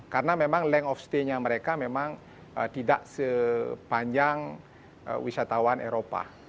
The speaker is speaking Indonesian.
karena memang length of stay nya mereka memang tidak sepanjang wisatawan eropa